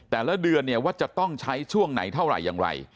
แต่ละเดือนเนี่ยว่าจะต้องใช้ช่วงไหนเท่าไหร่อย่างไร